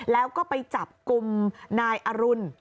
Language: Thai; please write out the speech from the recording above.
แล้วก็ไปจับกลุ่มนายอรุณ